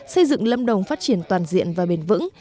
xây dựng lâm đồng phát triển toàn diện và bền vững